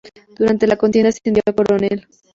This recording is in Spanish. Durante la contienda ascendió a coronel.